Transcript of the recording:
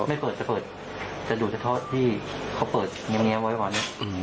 ไม่เปิดจะอยู่ใจซะข้อที่เฟ้าเปิดเงี๊ยวไว้แบบนี้